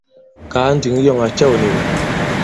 Kàa ǹdǐŋ yɔ̂ŋ à cɛ̂w nì wɛ̀.